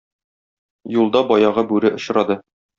Юлда баягы бүре очрады.